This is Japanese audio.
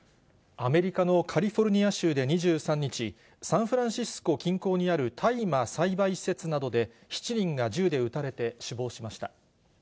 アメリカのカリフォルニア州で２３日、サンフランシスコ近郊にある大麻栽培施設などで７人が銃で撃たれて死亡しました。